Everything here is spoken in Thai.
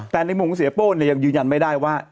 แต่ในมุมของเสียโป้ยังยืนยันไม่ได้ว่า